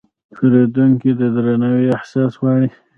پیرودونکی د درناوي احساس غواړي.